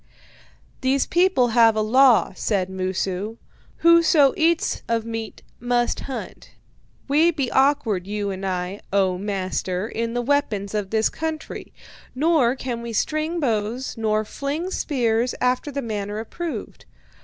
"'These people have a law,' said Mosu: 'whoso eats of meat must hunt. We be awkward, you and I, O master, in the weapons of this country; nor can we string bows nor fling spears after the manner approved.